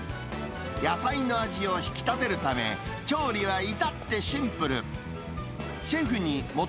野菜の味を引き立てるため、調理はいたってシンプル。